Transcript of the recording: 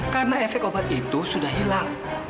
karena efek obat itu sudah hilang